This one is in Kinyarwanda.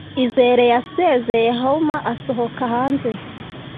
Izere yasezeye hauma asohoka hanze.